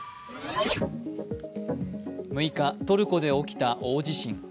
６日、トルコで起きた大地震。